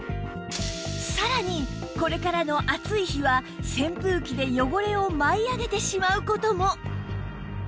さらにこれからの暑い日は扇風機で汚れを舞い上げてしまう事も